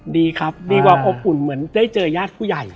ดีครับดีกว่าอบอุ่นเหมือนได้เจอญาติผู้ใหญ่